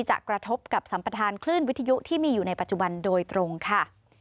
กระทบกับสัมประธานคลื่นวิทยุที่มีอยู่ในปัจจุบันโดยตรงค่ะ